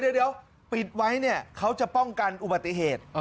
เดี๋ยวปิดไว้เนี่ยเขาจะป้องกันอุบัติเหตุ